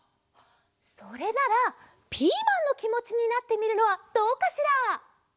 それならピーマンのきもちになってみるのはどうかしら？